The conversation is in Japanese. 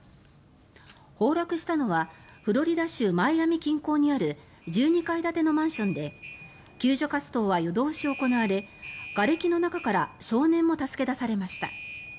崩落したのはフロリダ州マイアミ近郊にある１２階建てのマンションで救助活動は夜通し行われがれきの中から少年も助け出されました。